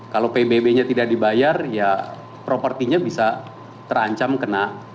kalau pbb nya tidak dibayar ya propertinya bisa terancam kena